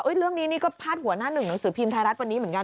เรื่องนี้นี่ก็พาดหัวหน้าหนึ่งหนังสือพิมพ์ไทยรัฐวันนี้เหมือนกัน